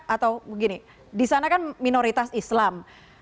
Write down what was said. atau begini di sana kan minoritas islam